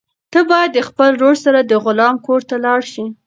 ته باید د خپل ورور سره د غلام کور ته لاړ شې.